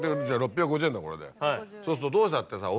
そうするとどうしたってさ。